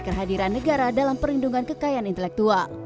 kehadiran negara dalam perlindungan kekayaan intelektual